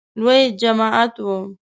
لوی جماعت و .